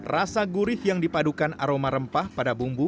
rasa gurih yang dipadukan aroma rempah pada bumbu